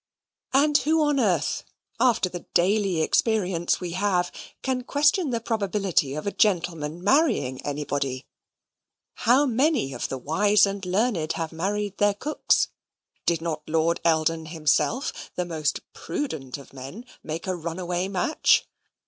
And who on earth, after the daily experience we have, can question the probability of a gentleman marrying anybody? How many of the wise and learned have married their cooks? Did not Lord Eldon himself, the most prudent of men, make a runaway match?